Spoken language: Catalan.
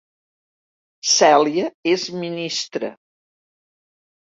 Cèlia és ministra